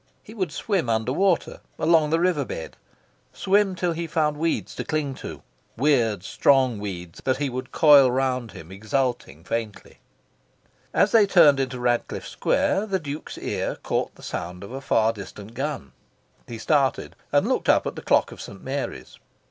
He would swim under water, along the river bed, swim till he found weeds to cling to, weird strong weeds that he would coil round him, exulting faintly... As they turned into Radcliffe Square, the Duke's ear caught the sound of a far distant gun. He started, and looked up at the clock of St. Mary's.